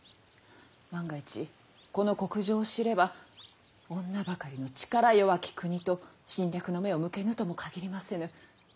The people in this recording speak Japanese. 万が一この国情を知れば女ばかりの力弱き国と侵略の目を向けぬとも限りませぬ。